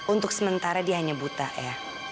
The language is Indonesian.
untuk sementara dia hanya buta ya